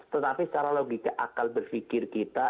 tetapi secara logika akal berfikir kita